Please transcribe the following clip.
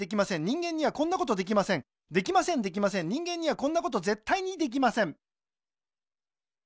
できませんできません人間にはこんなことぜったいにできません